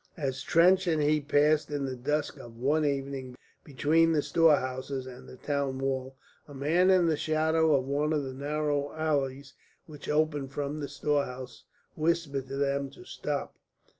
As Trench and he passed in the dusk of one evening between the storehouses and the town wall, a man in the shadow of one of the narrow alleys which opened from the storehouses whispered to them to stop.